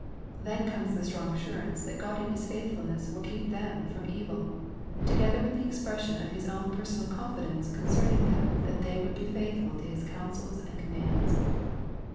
Then comes the strong assurance that God in His faithfulness would keep them from evil, together with the expression of his own personal confidence concerning them that they would be faithful to his counsels and commands.